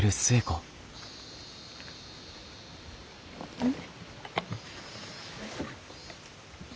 うん？